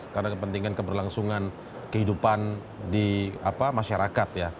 karena kepentingan keberlangsungan kehidupan di apa masyarakat ya